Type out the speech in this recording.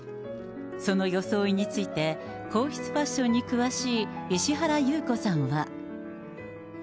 その装いについて、皇室ファッション詳しい石原裕子さんは。